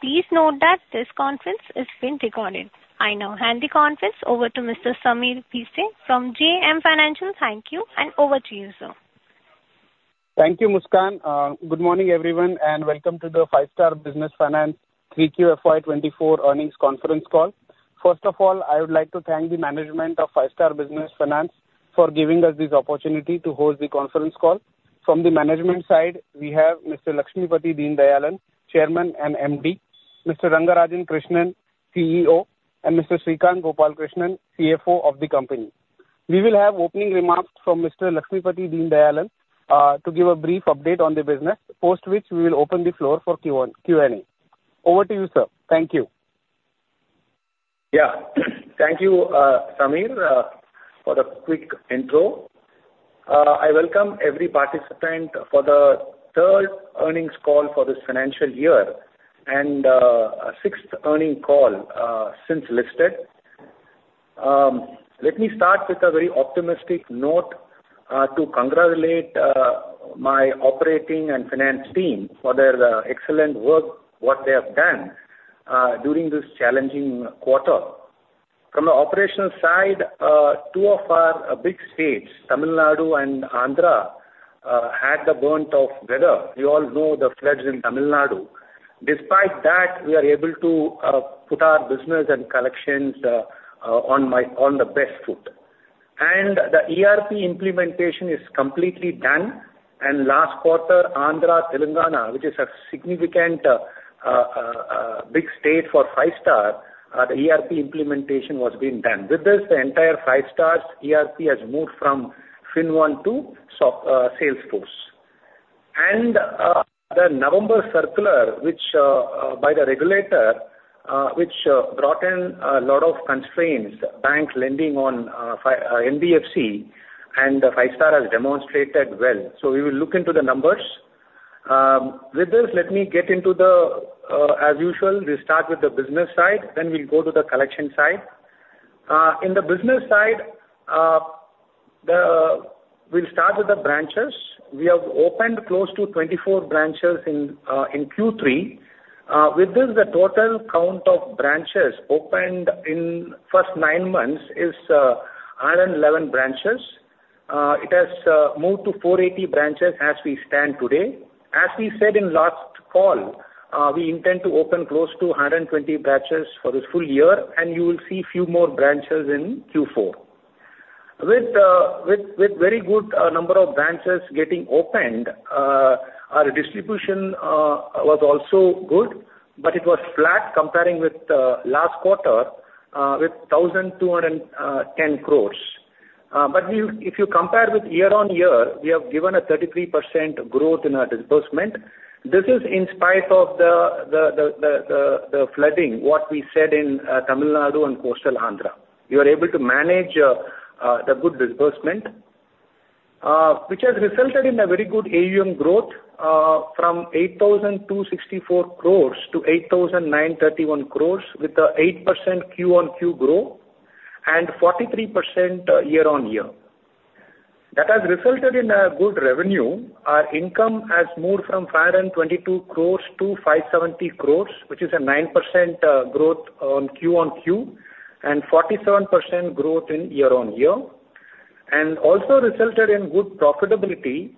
Please note that this conference is being recorded. I now hand the conference over to Mr. Sameer Bhise from JM Financial. Thank you, and over to you, sir. Thank you, Muskaan. Good morning, everyone, and welcome to the Five Star Business Finance 3Q FY 2024 earnings conference call. First of all, I would like to thank the management of Five Star Business Finance for giving us this opportunity to host the conference call. From the management side, we have Mr. Lakshmipathy Deenadayalan, Chairman and MD, Mr. Rangarajan Krishnan, CEO, and Mr. Srikanth Gopalakrishnan, CFO of the company. We will have opening remarks from Mr. Lakshmipathy Deenadayalan to give a brief update on the business, post which we will open the floor for Q&A. Over to you, sir. Thank you. Yeah. Thank you, Sameer, for the quick intro. I welcome every participant for the third earnings call for this financial year and, sixth earning call, since listed. Let me start with a very optimistic note, to congratulate, my operating and finance team for their, excellent work, what they have done, during this challenging quarter. From the operational side, two of our, big states, Tamil Nadu and Andhra, had the brunt of weather. You all know the floods in Tamil Nadu. Despite that, we are able to, put our business and collections, on the best foot. And the ERP implementation is completely done, and last quarter, Andhra, Telangana, which is a significant, big state for Five Star, the ERP implementation was being done. With this, the entire Five Star's ERP has moved from FinnOne to Salesforce. The November circular, which by the regulator, which brought in a lot of constraints, banks lending on NBFC, and Five Star has demonstrated well. We will look into the numbers. With this, let me get into the as usual, we start with the business side, then we'll go to the collection side. In the business side, we'll start with the branches. We have opened close to 24 branches in Q3. With this, the total count of branches opened in first nine months is 111 branches. It has moved to 480 branches as we stand today. As we said in last call, we intend to open close to 120 branches for this full year, and you will see few more branches in Q4. With very good number of branches getting opened, our disbursement was also good, but it was flat comparing with the last quarter, with 1,210 crores. But we, if you compare with year-on-year, we have given a 33% growth in our disbursement. This is in spite of the flooding, what we said in Tamil Nadu and Coastal Andhra. We were able to manage the good disbursement, which has resulted in a very good AUM growth from 8,264 crore to 8,931 crore, with a 8% Q-on-Q growth and 43% year-on-year. That has resulted in a good revenue. Our income has moved from 522 crore to 570 crore, which is a 9% growth on Q-on-Q, and 47% growth in year-on-year, and also resulted in good profitability,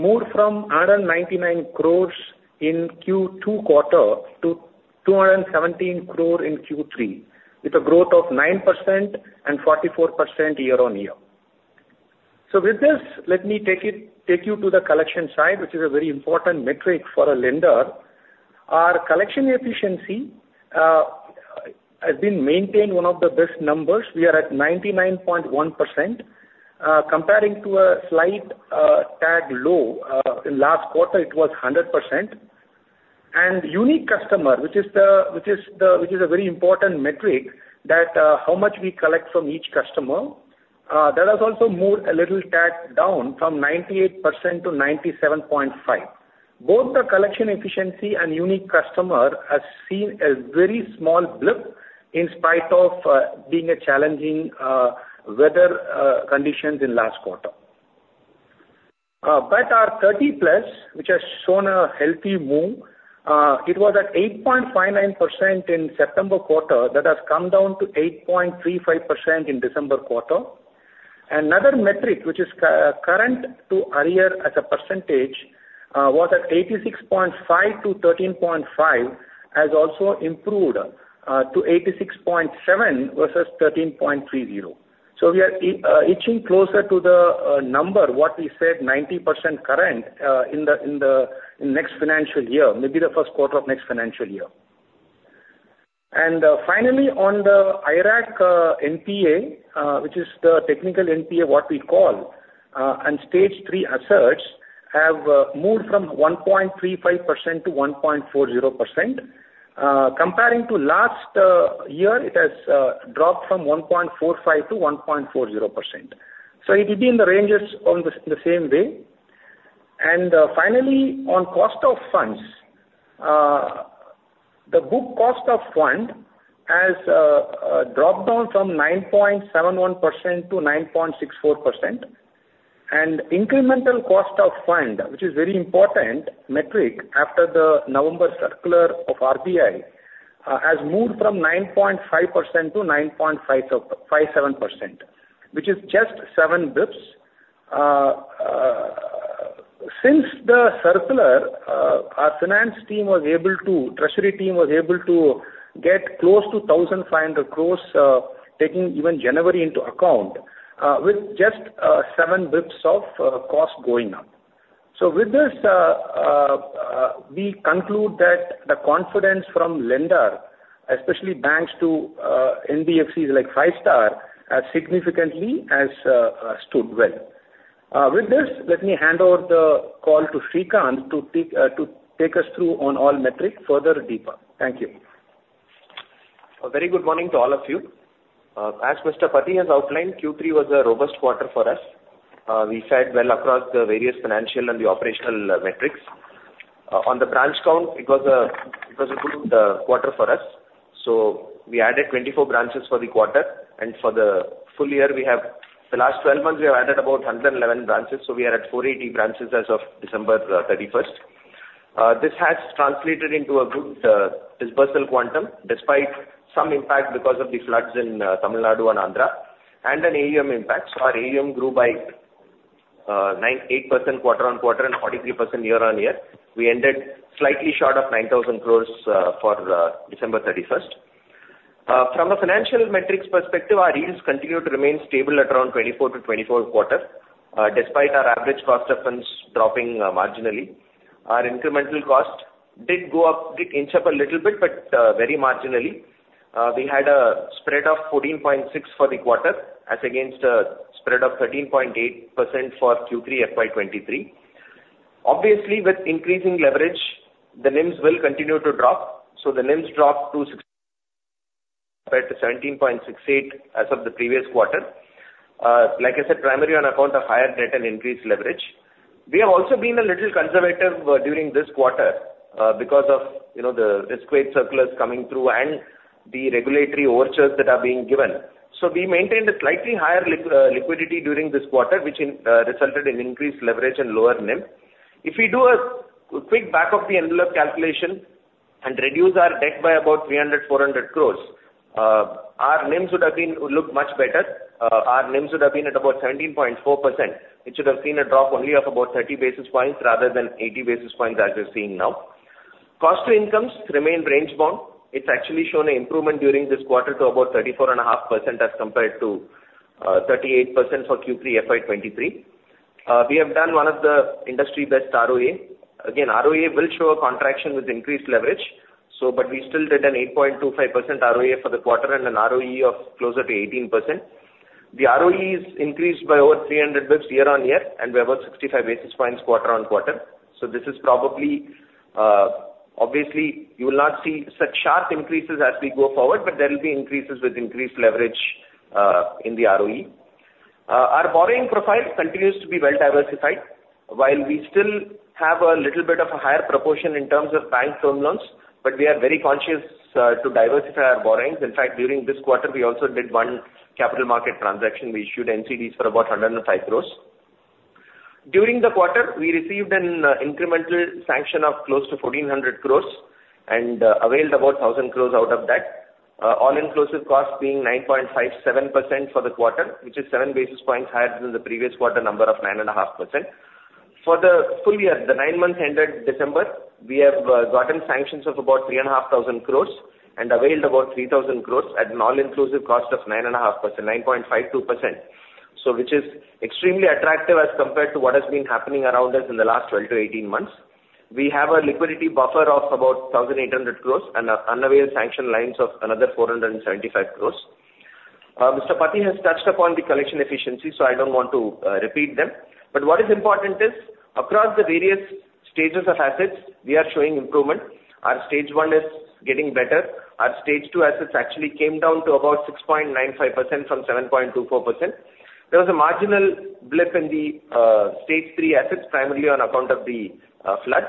moved from 199 crore in Q2 quarter to 217 crore in Q3, with a growth of 9% and 44% year-on-year. So with this, let me take you to the collection side, which is a very important metric for a lender. Our collection efficiency has been maintained one of the best numbers. We are at 99.1%, comparing to a slight tad low. In last quarter, it was 100%. And unique customer, which is the, which is the, which is a very important metric, that, how much we collect from each customer, that has also moved a little tad down from 98% to 97.5%. Both the collection efficiency and unique customer has seen a very small blip in spite of, being a challenging, weather, conditions in last quarter. But our 30+, which has shown a healthy move, it was at 8.59% in September quarter. That has come down to 8.35% in December quarter. Another metric, which is current to arrear as a percentage, was at 86.5%-13.5%, has also improved to 86.7% versus 13.3%. So we are inching closer to the number, what we said, 90% current in the next financial year, maybe the first quarter of next financial year. Finally, on the IRAC NPA, which is the technical NPA, what we call, and Stage 3 assets have moved from 1.35% to 1.40%. Comparing to last year, it has dropped from 1.45% to 1.40%. So it is in the ranges on the same way. Finally, on cost of funds, the group cost of fund has dropped down from 9.71% to 9.64%. And incremental cost of fund, which is very important metric after the November circular of RBI, has moved from 9.5% to 9.57%, which is just seven basis points. Since the circular, our treasury team was able to get close to 1,500 crore, taking even January into account, with just seven basis points of cost going up. So with this, we conclude that the confidence from lenders, especially banks to NBFCs like Five Star, has significantly stood well. With this, let me hand over the call to Srikanth to take us through on all metrics further deeper. Thank you. A very good morning to all of you. As Mr. Pathy has outlined, Q3 was a robust quarter for us. We fared well across the various financial and the operational metrics. On the branch count, it was a good quarter for us, so we added 24 branches for the quarter. For the full year, the last 12 months, we have added about 111 branches, so we are at 480 branches as of December 31. This has translated into a good disbursal quantum, despite some impact because of the floods in Tamil Nadu and Andhra Pradesh, and an AUM impact. So our AUM grew by 9.8% quarter-on-quarter and 43% year-on-year. We ended slightly short of 9,000 crore for December 31st. From a financial metrics perspective, our yields continue to remain stable at around 24%-24.25%, despite our average cost of funds dropping, marginally. Our incremental cost did go up, did inch up a little bit, but, very marginally. We had a spread of 14.6 for the quarter, as against a spread of 13.8% for Q3 FY 2023. Obviously, with increasing leverage, the NIMs will continue to drop, so the NIMs dropped to 16.8% compared to 17.68% as of the previous quarter. Like I said, primarily on account of higher debt and increased leverage. We have also been a little conservative, during this quarter, because of, you know, the risk weight circulars coming through and the regulatory orders that are being given. So we maintained a slightly higher liquidity during this quarter, which resulted in increased leverage and lower NIM. If we do a quick back of the envelope calculation and reduce our debt by about 300 crore-400 crore, our NIMs would have been looked much better. Our NIMs would have been at about 17.4%, which would have seen a drop only of about 30 basis points rather than 80 basis points, as we're seeing now. Cost to incomes remain range bound. It's actually shown an improvement during this quarter to about 34.5%, as compared to 38% for Q3 FY 2023. We have done one of the industry best ROA. Again, ROA will show a contraction with increased leverage, so but we still did an 8.25% ROA for the quarter and an ROE of closer to 18%. The ROE is increased by over 300 basis points year-on-year, and we're about 65 basis points quarter-on-quarter. So this is probably, obviously you will not see such sharp increases as we go forward, but there will be increases with increased leverage, in the ROE. Our borrowing profile continues to be well diversified. While we still have a little bit of a higher proportion in terms of bank term loans, but we are very conscious, to diversify our borrowings. In fact, during this quarter, we also did one capital market transaction. We issued NCDs for about 105 crores. During the quarter, we received an incremental sanction of close to 1,400 crore and availed about 1,000 crore out of that. All-inclusive cost being 9.57% for the quarter, which is 7 basis points higher than the previous quarter number of 9.5%. For the full year, the nine months ended December, we have gotten sanctions of about 3,500 crore and availed about 3,000 crore at an all-inclusive cost of 9.5%, 9.52%. So which is extremely attractive as compared to what has been happening around us in the last 12-18 months. We have a liquidity buffer of about 1,800 crore and unavailed sanction lines of another 475 crore. Mr. Pathy has touched upon the collection efficiency, so I don't want to repeat them. But what is important is, across the various stages of assets, we are showing improvement. Our Stage 1 is getting better. Our Stage 2 assets actually came down to about 6.95% from 7.24%. There was a marginal blip in the Stage 3 assets, primarily on account of the floods.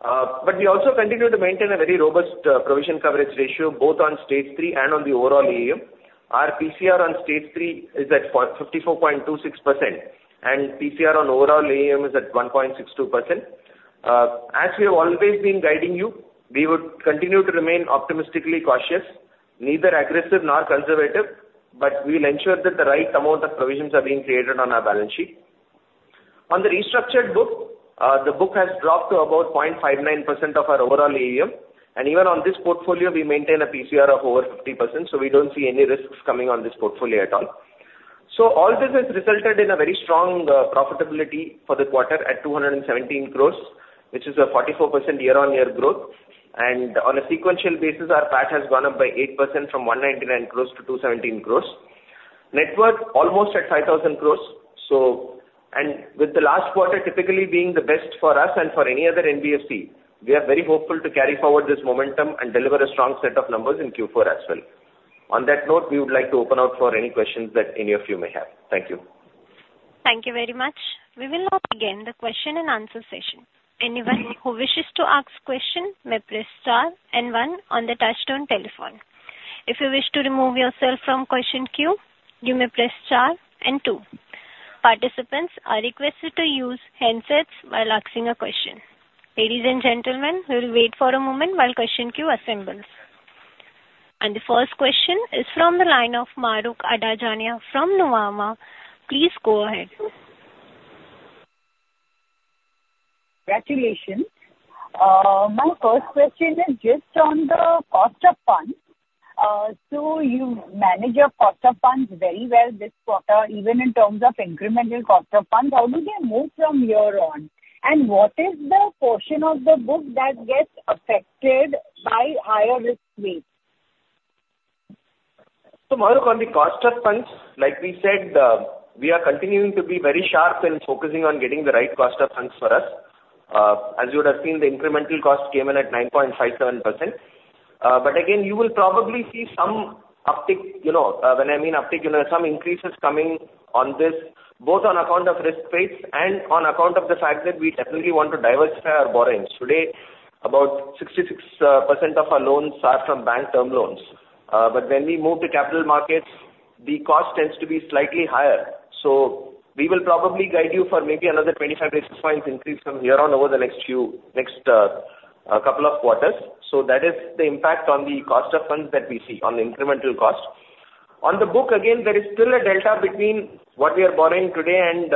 But we also continue to maintain a very robust provision coverage ratio, both on Stage 3 and on the overall AUM. Our PCR on Stage 3 is at 454.26%, and PCR on overall AUM is at 1.62%. As we have always been guiding you, we would continue to remain optimistically cautious, neither aggressive nor conservative, but we will ensure that the right amount of provisions are being created on our balance sheet. On the restructured book, the book has dropped to about 0.59% of our overall AUM, and even on this portfolio, we maintain a PCR of over 50%, so we don't see any risks coming on this portfolio at all. So all this has resulted in a very strong profitability for the quarter at 217 crores, which is a 44% year-on-year growth. And on a sequential basis, our PAT has gone up by 8% from 199 crores to 217 crores. Net worth, almost at 5,000 crores. With the last quarter typically being the best for us and for any other NBFC, we are very hopeful to carry forward this momentum and deliver a strong set of numbers in Q4 as well. On that note, we would like to open up for any questions that any of you may have. Thank you. Thank you very much. We will now begin the question-and-answer session. Anyone who wishes to ask question may press star and one on the touchtone telephone. If you wish to remove yourself from question queue, you may press star and two. Participants are requested to use handsets while asking a question. Ladies and gentlemen, we will wait for a moment while question queue assembles. And the first question is from the line of Mahrukh Adajania from Nuvama. Please go ahead. Congratulations! My first question is just on the cost of funds. You manage your cost of funds very well this quarter, even in terms of incremental cost of funds. How do they move from here on? And what is the portion of the book that gets affected by higher risk rates? So Mahrukh, on the cost of funds, like we said, we are continuing to be very sharp in focusing on getting the right cost of funds for us. As you would have seen, the incremental cost came in at 9.57%. But again, you will probably see some uptick, you know, when I mean uptick, you know, some increases coming on this, both on account of risk rates and on account of the fact that we definitely want to diversify our borrowings. Today, about 66% of our loans are from bank term loans. But when we move to capital markets, the cost tends to be slightly higher. So we will probably guide you for maybe another 25 basis points increase from here on over the next few, next, couple of quarters. So that is the impact on the cost of funds that we see on the incremental cost. On the book, again, there is still a delta between what we are borrowing today and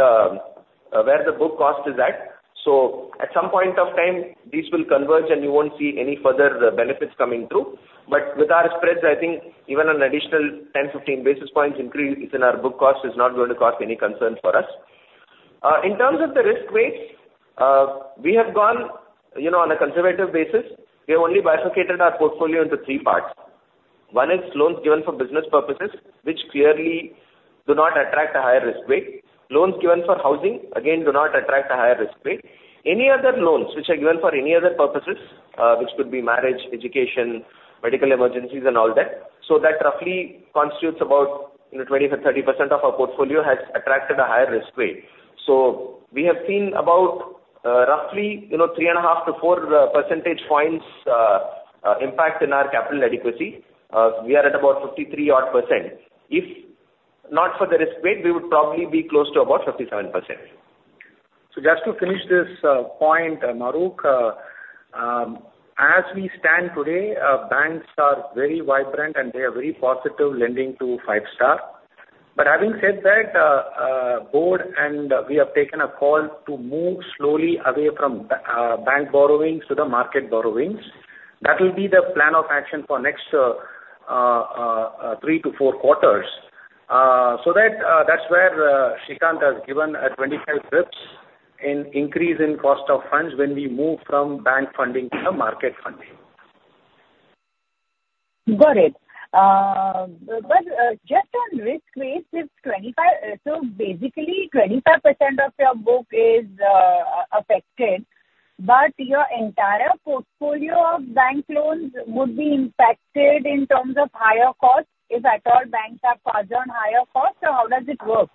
where the book cost is at. So at some point of time, these will converge, and you won't see any further benefits coming through. But with our spreads, I think even an additional 10-15 basis points increase in our book cost is not going to cause any concern for us. In terms of the risk weights, we have gone, you know, on a conservative basis. We have only bifurcated our portfolio into three parts. One is loans given for business purposes, which clearly do not attract a higher risk weight. Loans given for housing, again, do not attract a higher risk weight. Any other loans which are given for any other purposes, which could be marriage, education, medical emergencies and all that, so that roughly constitutes about, you know, 20%-30% of our portfolio has attracted a higher risk weight. So we have seen about, roughly, you know, 3.5-4 percentage points impact in our capital adequacy. We are at about 53 odd %. If not for the risk weight, we would probably be close to about 57%. So just to finish this point, Mahrukh, as we stand today, banks are very vibrant and they are very positive lending to Five Star. But having said that, board and we have taken a call to move slowly away from bank borrowings to the market borrowings. That will be the plan of action for next three to four quarters. So that, that's where, Srikanth has given a 25 bps in increase in cost of funds when we move from bank funding to the market funding. Got it. But, just on risk weight, it's 25. So basically, 25% of your book is affected, but your entire portfolio of bank loans would be impacted in terms of higher costs, if at all banks are charged on higher costs? So how does it work?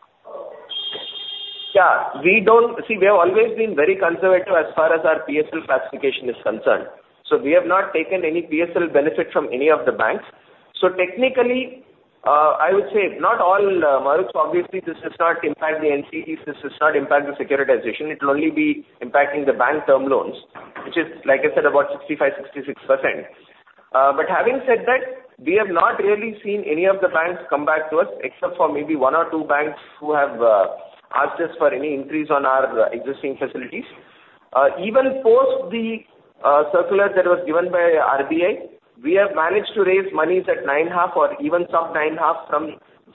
Yeah. We don't... See, we have always been very conservative as far as our PSL classification is concerned. So we have not taken any PSL benefit from any of the banks. So technically, I would say not all, Mahrukh, obviously, this does not impact the NCDs, this does not impact the securitization. It will only be impacting the bank term loans, which is, like I said, about 65-66%. But having said that, we have not really seen any of the banks come back to us, except for maybe one or two banks who have asked us for any increase on our existing facilities. Even post the circular that was given by RBI, we have managed to raise monies at 9.5% or even some 9.5% from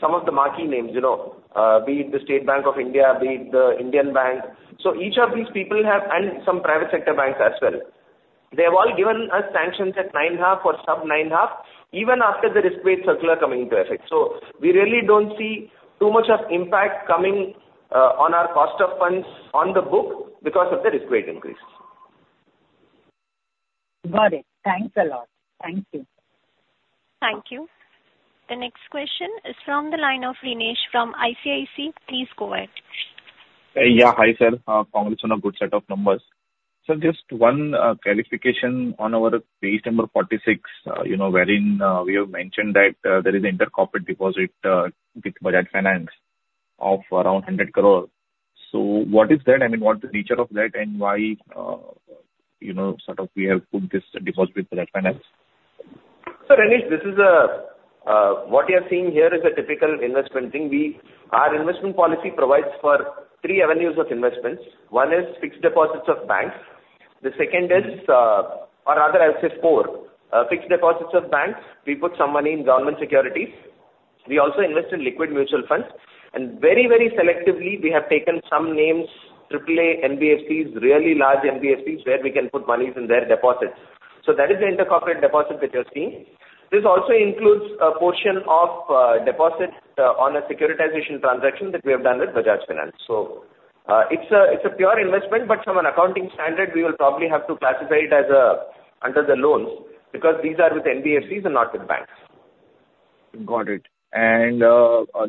some of the marquee names, you know, be it the State Bank of India, be it the Indian Bank. So each of these people have, and some private sector banks as well. They have all given us sanctions at 9.5% or some 9.5%, even after the risk weight circular coming into effect. So we really don't see too much of impact coming on our cost of funds on the book because of the risk weight increase. Got it. Thanks a lot. Thank you. Thank you. The next question is from the line of Renish from ICICI. Please go ahead. Yeah. Hi, sir. Congratulations on a good set of numbers. Sir, just one clarification on our page number 46. You know, wherein we have mentioned that there is intercorporate deposit with Bajaj Finance of around 100 crore. So what is that? I mean, what's the nature of that? And why, you know, sort of we have put this deposit with Bajaj Finance? So, Renish, this is a, what you're seeing here is a typical investment thing. Our investment policy provides for three avenues of investments. One is fixed deposits of banks. The second is, or rather, I would say four. Fixed deposits of banks. We put some money in government securities. We also invest in liquid mutual funds, and very, very selectively, we have taken some names, triple A NBFCs, really large NBFCs, where we can put monies in their deposits. So that is the intercorporate deposit which you're seeing. This also includes a portion of, deposits, on a securitization transaction that we have done with Bajaj Finance. So, it's a, it's a pure investment, but from an accounting standard, we will probably have to classify it as a, under the loans, because these are with NBFCs and not with banks. Got it. And,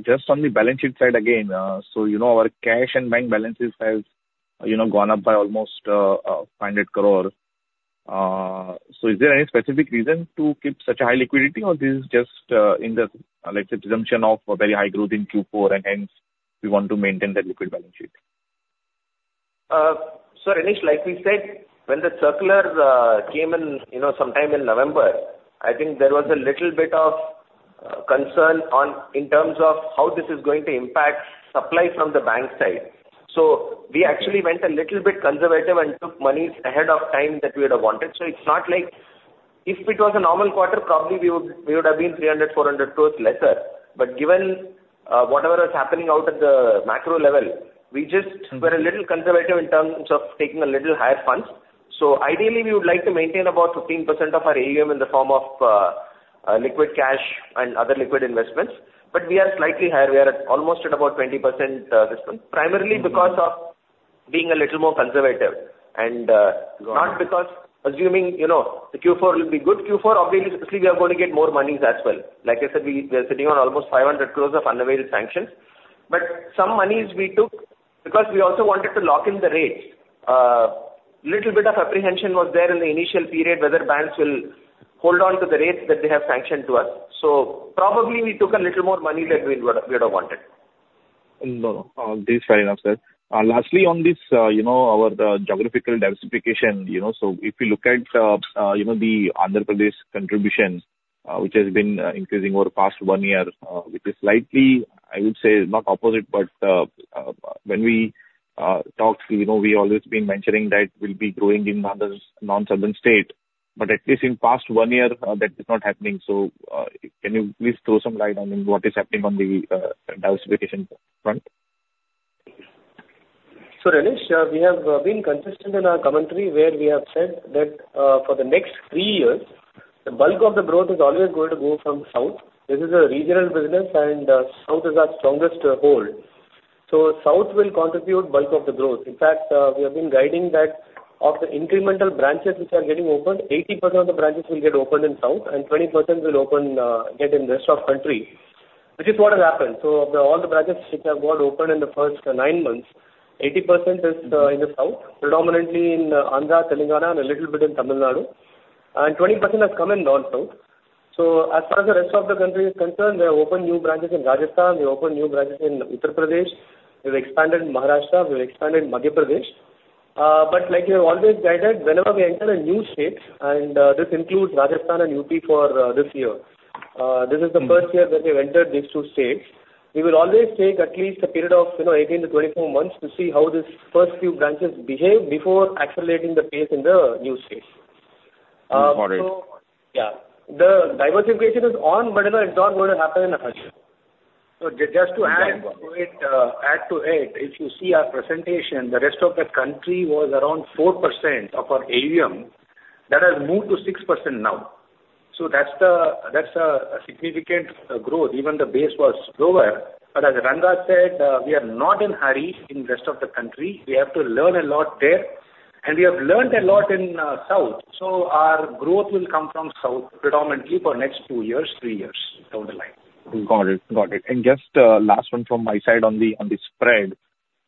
just on the balance sheet side again, so you know, our cash and bank balances have, you know, gone up by almost 500 crore. So is there any specific reason to keep such a high liquidity, or this is just, in the, let's say, presumption of a very high growth in Q4, and hence we want to maintain that liquid balance sheet? So Renish, like we said, when the circular came in, you know, sometime in November, I think there was a little bit of concern in terms of how this is going to impact supply from the bank side. So we actually went a little bit conservative and took monies ahead of time that we would have wanted. So it's not like... If it was a normal quarter, probably we would, we would have been 300 crore-400 crore lesser. But given whatever is happening out at the macro level, we just were a little conservative in terms of taking a little higher funds. So ideally, we would like to maintain about 15% of our AUM in the form of liquid cash and other liquid investments. But we are slightly higher. We are at almost at about 20%, this one, primarily because of being a little more conservative and not because assuming, you know, the Q4 will be good. Q4, obviously, we are going to get more monies as well. Like I said, we are sitting on almost 500 crore of unavailable sanctions. But some monies we took because we also wanted to lock in the rates. Little bit of apprehension was there in the initial period, whether banks will hold on to the rates that they have sanctioned to us. So probably we took a little more money than we would have wanted. No, no, this is fair enough, sir. Lastly, on this, you know, our, the geographical diversification, you know, so if you look at, you know, the Andhra Pradesh contribution, which has been increasing over the past one year, it is slightly, I would say, not opposite, but, when we talk, you know, we always been mentioning that we'll be growing in other non-southern state, but at least in past one year, that is not happening. So, can you please throw some light on what is happening on the diversification front? So, Renish, we have been consistent in our commentary, where we have said that, for the next three years, the bulk of the growth is always going to go from South. This is a regional business, and, south is our strongest, hold. So South will contribute bulk of the growth. In fact, we have been guiding that of the incremental branches which are getting opened, 80% of the branches will get opened in South, and 20% will open, get in rest of country, which is what has happened. So of all the branches which have got opened in the first nine months, 80% is in the South, predominantly in Andhra, Telangana, and a little bit in Tamil Nadu, and 20% has come in North. So as far as the rest of the country is concerned, we have opened new branches in Rajasthan, we opened new branches in Uttar Pradesh, we've expanded in Maharashtra, we've expanded in Madhya Pradesh. But like we have always guided, whenever we enter a new state, and this includes Rajasthan and UP for this year, this is the first year that we've entered these two states. We will always take at least a period of, you know, 18-24 months to see how these first few branches behave before accelerating the pace in the new state. Got it. So, yeah. The diversification is on, but it's not going to happen in a hurry. So just to add to it, if you see our presentation, the rest of the country was around 4% of our AUM. That has moved to 6% now. So that's a significant growth, even the base was lower. But as Ranga said, we are not in hurry in rest of the country. We have to learn a lot there, and we have learned a lot in South. So our growth will come from South, predominantly for next two years, three years, down the line. Got it. Got it. And just, last one from my side on the, on the spread.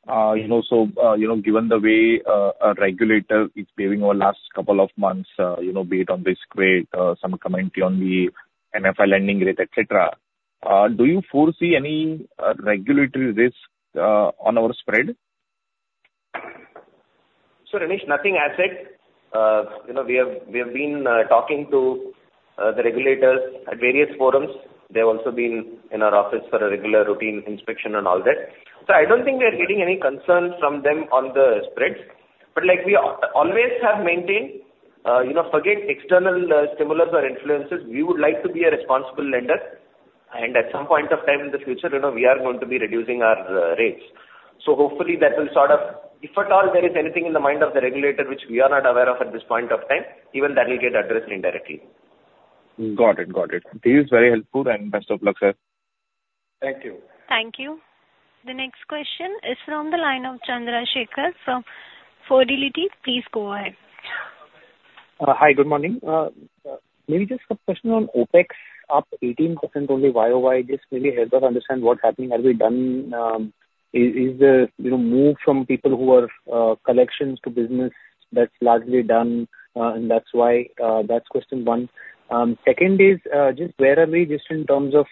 You know, so, you know, given the way, a regulator is behaving over last couple of months, you know, be it on repo rate, some commentary on the NBFC lending rate, et cetera, do you foresee any, regulatory risk, on our spread? So, Renish, nothing as such. You know, we have, we have been talking to the regulators at various forums. They have also been in our office for a regular routine inspection and all that. So I don't think we are getting any concerns from them on the spreads. But like we always have maintained, you know, forget external stimulus or influences, we would like to be a responsible lender, and at some point of time in the future, you know, we are going to be reducing our rates. So hopefully, that will sort of... If at all there is anything in the mind of the regulator which we are not aware of at this point of time, even that will get addressed indirectly. Got it. Got it. This is very helpful, and best of luck, sir. Thank you. Thank you. The next question is from the line of Chandrasekar from Fidelity. Please go ahead. Hi, good morning. Maybe just a question on OpEx, up 18% only YoY. Just maybe help us understand what's happening. Have we done, is, is the, you know, move from people who are, collections to business that's largely done, and that's why, that's question one. Second is, just where are we just in terms of,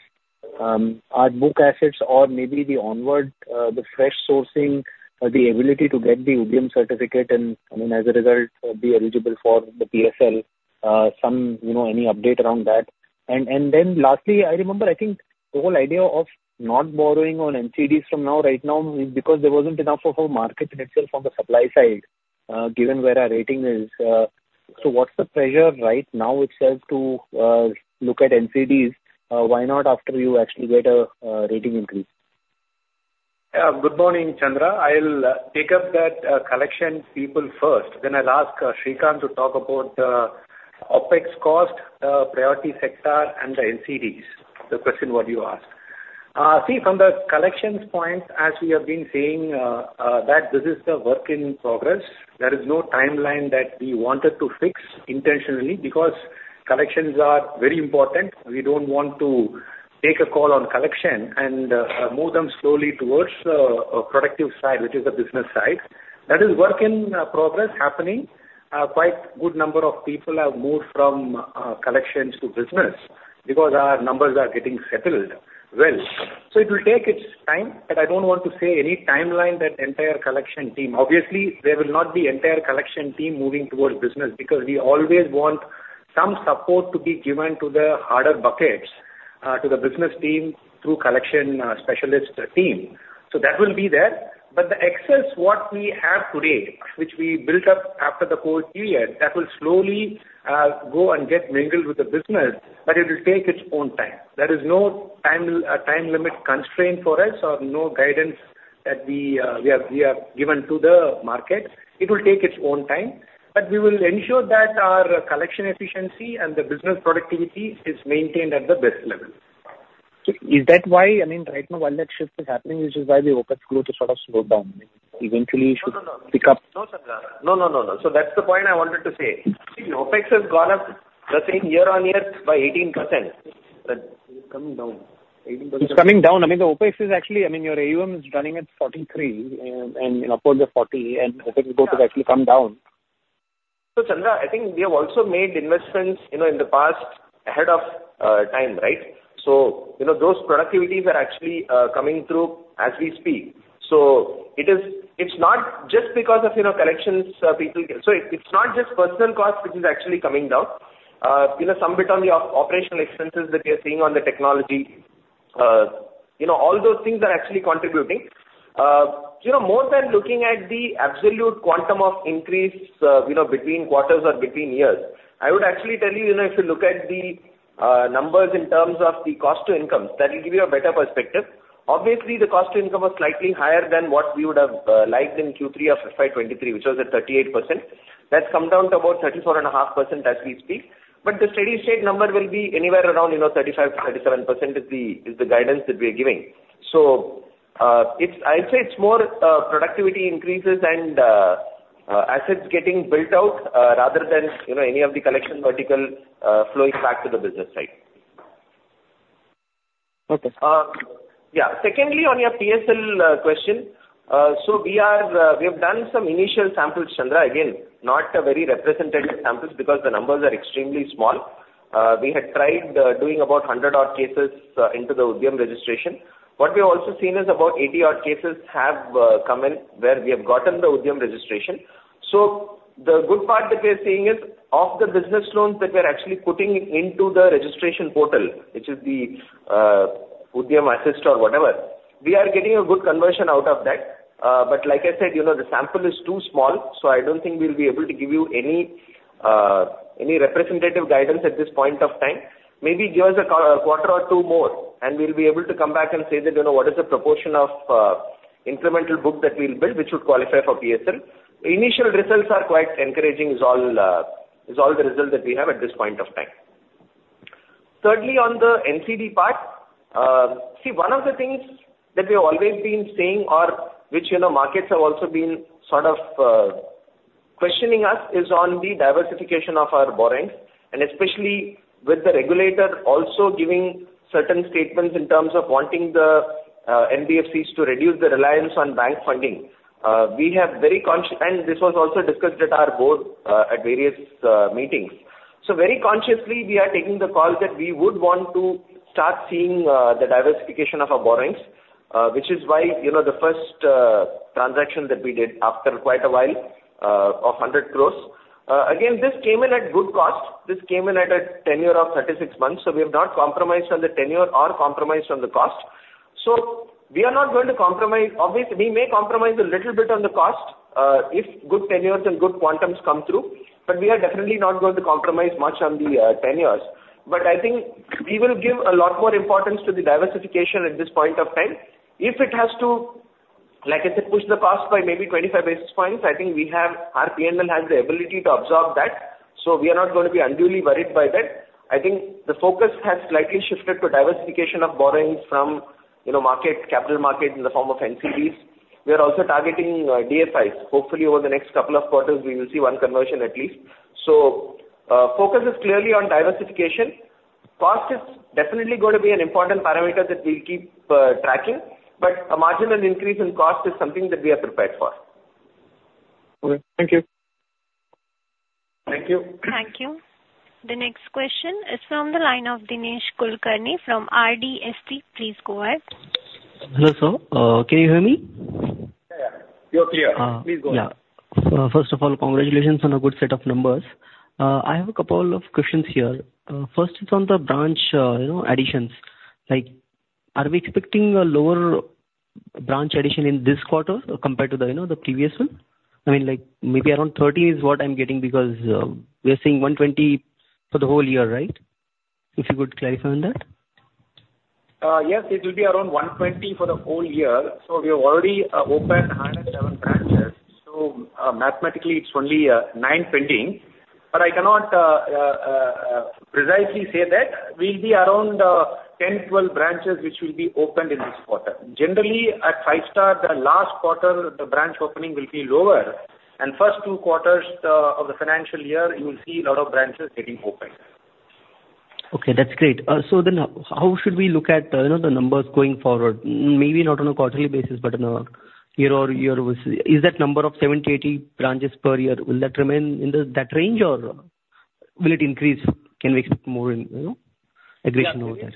our book assets or maybe the onward, the fresh sourcing, the ability to get the Udyam certificate and, I mean, as a result, be eligible for the PSL, some, you know, any update around that? And then lastly, I remember, I think the whole idea of not borrowing on NCDs from now, right now, because there wasn't enough of a market in itself from the supply side, given where our rating is. What's the pressure right now itself to look at NCDs? Why not after you actually get a rating increase? Yeah. Good morning, Chandrasekar. I'll take up that collection people first, then I'll ask Srikanth to talk about OpEx cost, priority sector and the NCDs, the question what you asked. See, from the collections point, as we have been saying, that this is the work in progress. There is no timeline that we wanted to fix intentionally, because collections are very important. We don't want to take a call on collection and move them slowly towards a productive side, which is the business side. That is work in progress happening. Quite good number of people have moved from collection to business because our numbers are getting settled well. So it will take its time, but I don't want to say any timeline that entire collection team. Obviously, there will not be entire collection team moving towards business, because we always want some support to be given to the harder buckets to the business team through collection specialist team. So that will be there. But the excess, what we have today, which we built up after the COVID period, that will slowly go and get mingled with the business, but it will take its own time. There is no time limit constraint for us or no guidance that we have given to the market. It will take its own time, but we will ensure that our collection efficiency and the business productivity is maintained at the best level. Is that why, I mean, right now, while that shift is happening, which is why the OpEx grew to sort of slow down, eventually should pick up? No, no, no. So, Chandra, no, no, no, no. So that's the point I wanted to say. See, OpEx has gone up the same year-on-year by 18%. But it's coming down, 18%- It's coming down. I mean, the OpEx is actually, I mean, your AUM is running at 43, and, and upwards of 40, and OpEx is going to actually come down. So, Chandra, I think we have also made investments, you know, in the past, ahead of time, right? So, you know, those productivities are actually coming through as we speak. So it is, it's not just because of, you know, collections, people. So it's not just personal cost, which is actually coming down. You know, some bit on the operational expenses that we are seeing on the technology, you know, all those things are actually contributing. You know, more than looking at the absolute quantum of increase, you know, between quarters or between years, I would actually tell you, you know, if you look at the numbers in terms of the cost to income, that will give you a better perspective. Obviously, the cost to income was slightly higher than what we would have liked in Q3 of FY 2023, which was at 38%. That's come down to about 34.5% as we speak. But the steady state number will be anywhere around, you know, 35%-37% is the guidance that we are giving. So, I'd say it's more productivity increases and assets getting built out rather than, you know, any of the collection vertical flowing back to the business side. Okay. Yeah. Secondly, on your PSL question. So we are, we have done some initial samples, Chandra. Again, not a very representative samples, because the numbers are extremely small. We had tried doing about 100 odd cases into the Udyam registration. What we have also seen is about 80 odd cases have come in where we have gotten the Udyam registration. So the good part that we are seeing is, of the business loans that we are actually putting into the registration portal, which is the Udyam Assist or whatever, we are getting a good conversion out of that. But like I said, you know, the sample is too small, so I don't think we'll be able to give you any representative guidance at this point of time. Maybe give us a quarter or two more, and we'll be able to come back and say that, you know, what is the proportion of incremental book that we'll build, which would qualify for PSL. Initial results are quite encouraging, is all, is all the result that we have at this point of time. Thirdly, on the NCD part, see, one of the things that we have always been saying, or which, you know, markets have also been sort of questioning us, is on the diversification of our borrowings, and especially with the regulator also giving certain statements in terms of wanting the NBFCs to reduce the reliance on bank funding. We have very conscious. And this was also discussed at our board, at various meetings. So very consciously, we are taking the call that we would want to start seeing the diversification of our borrowings, which is why, you know, the first transaction that we did after quite a while of 100 crore. Again, this came in at good cost. This came in at a tenure of 36 months, so we have not compromised on the tenure or compromised on the cost. So we are not going to compromise. Obviously, we may compromise a little bit on the cost if good tenures and good quantums come through, but we are definitely not going to compromise much on the tenures. But I think we will give a lot more importance to the diversification at this point of time. If it has to, like I said, push the cost by maybe 25 basis points, I think we have, our P&L has the ability to absorb that, so we are not going to be unduly worried by that. I think the focus has slightly shifted to diversification of borrowings from, you know, market, capital market in the form of NCDs. We are also targeting, DFIs. Hopefully, over the next couple of quarters, we will see one conversion at least. So, focus is clearly on diversification. Cost is definitely going to be an important parameter that we'll keep, tracking, but a marginal increase in cost is something that we are prepared for. Okay. Thank you. Thank you. Thank you. The next question is from the line of Dinesh Kulkarni from RDST. Please go ahead. Hello, sir. Can you hear me? Yeah. You're clear. Please go ahead. Yeah. First of all, congratulations on a good set of numbers. I have a couple of questions here. First, it's on the branch, you know, additions. Like, are we expecting a lower branch addition in this quarter compared to the, you know, the previous one? I mean, like, maybe around 30 is what I'm getting, because, we are seeing 120 for the whole year, right? If you could clarify on that. Yes, it will be around 120 for the whole year. So we have already opened 107 branches. So, mathematically, it's only nine pending, but I cannot precisely say that. We'll be around 10-12 branches which will be opened in this quarter. Generally, at Five Star, the last quarter, the branch opening will be lower, and first two quarters of the financial year, you will see a lot of branches getting opened. Okay, that's great. So then how should we look at, you know, the numbers going forward? Maybe not on a quarterly basis, but on a year-over-year basis. Is that number of 70, 80 branches per year, will that remain in that range, or will it increase? Can we expect more in, you know, aggression over years?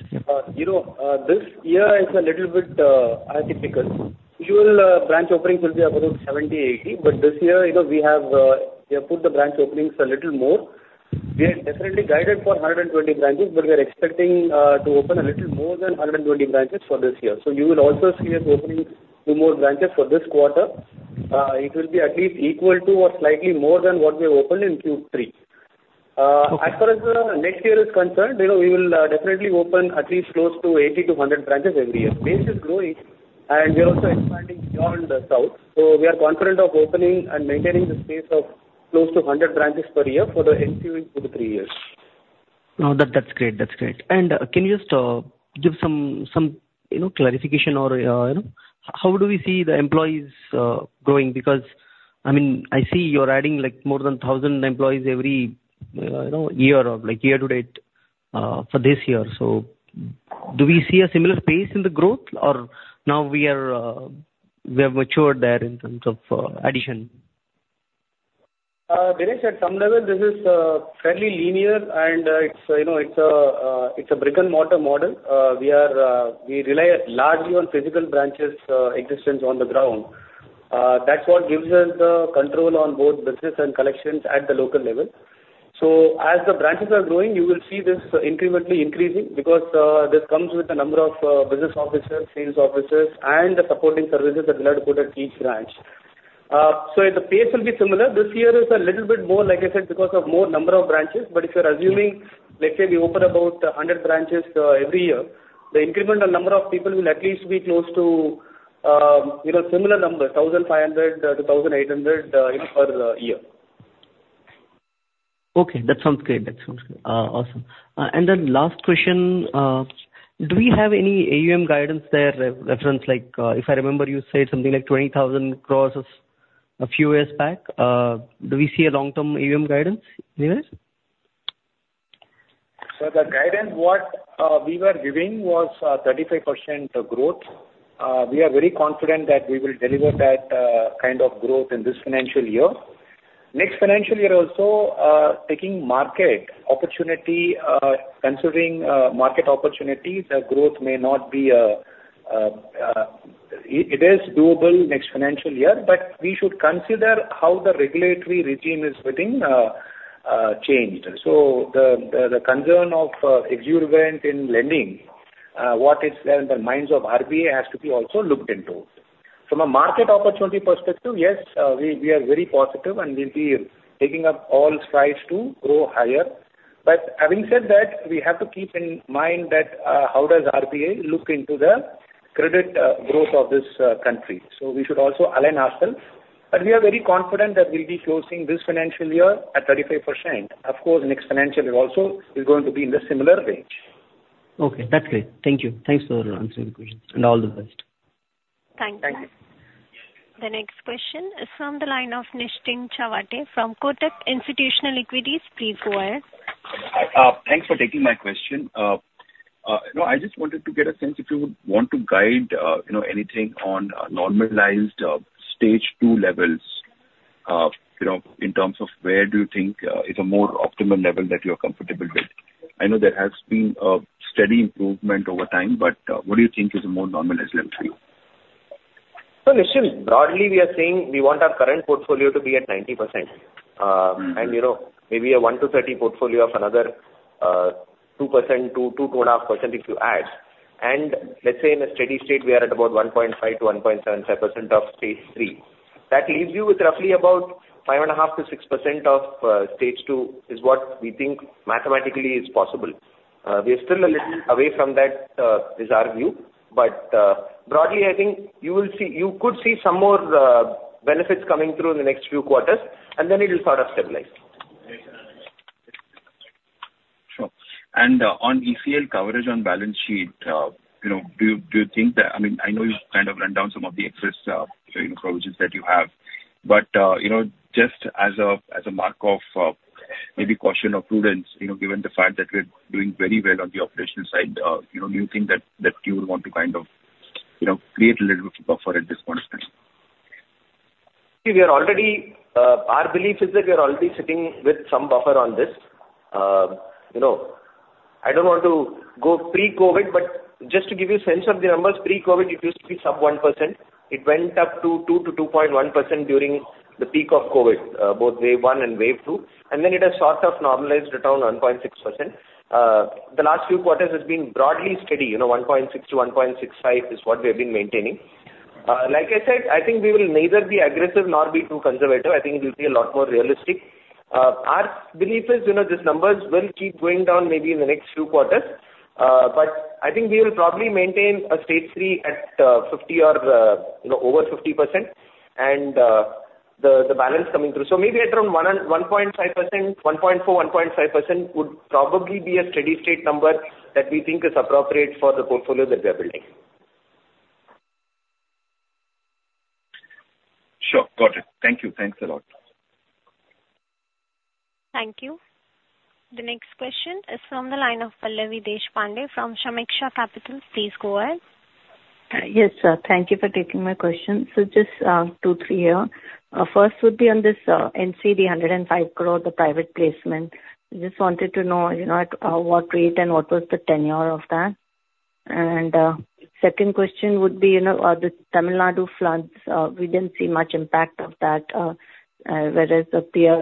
You know, this year is a little bit atypical. Usual branch openings will be about 70, 80, but this year, you know, we have put the branch openings a little more. We are definitely guided for 120 branches, but we are expecting to open a little more than 120 branches for this year. So you will also see us opening few more branches for this quarter. It will be at least equal to or slightly more than what we have opened in Q3. Okay. As far as the next year is concerned, you know, we will definitely open at least close to 80-100 branches every year. Base is growing, and we are also expanding beyond the South, so we are confident of opening and maintaining the pace of close to 100 branches per year for the next two to three years. No, that, that's great. That's great. And, can you just, give some, some, you know, clarification or, you know, how do we see the employees, growing? Because, I mean, I see you're adding, like, more than 1,000 employees every, you know, year or, like, year to date, for this year. So do we see a similar pace in the growth, or now we are, we have matured there in terms of, addition? Dinesh, at some level this is fairly linear and, it's, you know, it's a brick-and-mortar model. We rely largely on physical branches, existence on the ground. That's what gives us the control on both business and collections at the local level. So as the branches are growing, you will see this incrementally increasing because, this comes with a number of, business officers, sales officers, and the supporting services that we have to put at each branch. So the pace will be similar. This year is a little bit more, like I said, because of more number of branches, but if you're assuming, let's say, we open about 100 branches every year, the incremental number of people will at least be close to, you know, similar number, 1,500-1,800, you know, per year. Okay, that sounds great. That sounds great. Awesome. And then last question, do we have any AUM guidance there, re-reference? Like, if I remember, you said something like 20,000 crore a few years back. Do we see a long-term AUM guidance anywhere? So the guidance what we were giving was 35% growth. We are very confident that we will deliver that kind of growth in this financial year. Next financial year also, taking market opportunity, considering market opportunity, the growth may not be... It is doable next financial year, but we should consider how the regulatory regime is getting changed. So the concern of excessive lending, what is there in the minds of RBI, has to be also looked into. From a market opportunity perspective, yes, we are very positive, and we'll be taking up all strides to grow higher. But having said that, we have to keep in mind that how does RBI look into the credit growth of this country. We should also align ourselves, but we are very confident that we'll be closing this financial year at 35%. Of course, next financial year also is going to be in the similar range. Okay, that's great. Thank you. Thanks for answering the questions, and all the best. Thank you. The next question is from the line of Nischint Chawathe from Kotak Institutional Equities. Please go ahead. Thanks for taking my question. You know, I just wanted to get a sense if you would want to guide, you know, anything on normalized Stage 2 levels, you know, in terms of where do you think is a more optimal level that you're comfortable with? I know there has been a steady improvement over time, but what do you think is a more normalized level for you? Nishthin, broadly, we are saying we want our current portfolio to be at 90%. You know, maybe a 1 to 30 portfolio of another, 2%-2.5% if you add. And let's say in a steady state, we are at about 1.5%-1.75% of Stage 3. That leaves you with roughly about 5.5%-6% of Stage 2, is what we think mathematically is possible. We are still a little away from that, is our view, but, broadly, I think you will see... You could see some more benefits coming through in the next few quarters, and then it will sort of stabilize. Sure. On ECL coverage on balance sheet, you know, do you think that? I mean, I know you kind of ran down some of the excess, you know, coverages that you have, but, you know, just as a mark of maybe caution or prudence, you know, given the fact that we're doing very well on the operational side, you know, do you think that you would want to kind of, you know, create a little bit of buffer at this point of time? See, we are already, our belief is that we are already sitting with some buffer on this. You know, I don't want to go pre-COVID, but just to give you a sense of the numbers, pre-COVID, it used to be sub 1%. It went up to 2%-2.1% during the peak of COVID, both wave one and wave two, and then it has sort of normalized around 1.6%. The last few quarters has been broadly steady, you know, 1.6%-1.65% is what we have been maintaining. Like I said, I think we will neither be aggressive nor be too conservative. I think we'll be a lot more realistic. Our belief is, you know, these numbers will keep going down maybe in the next few quarters. But I think we will probably maintain a Stage 3 at 50% or, you know, over 50%, and the balance coming through. So maybe at around 1% and 1.5%, 1.4%, 1.5%, would probably be a steady state number that we think is appropriate for the portfolio that we are building. Sure. Got it. Thank you. Thanks a lot. Thank you. The next question is from the line of Pallavi Deshpande from Sameeksha Capital. Please go ahead. Yes, sir. Thank you for taking my question. So just two, three here. First would be on this NCD 105 crore, the private placement. I just wanted to know, you know, at what rate and what was the tenure of that? And second question would be, you know, the Tamil Nadu floods, we didn't see much impact of that, whereas the peer